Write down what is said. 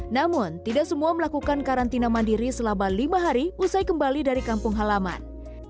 namun tidak semua melakukan karantina mandiri selama lima hari usai kembali dari kampung halaman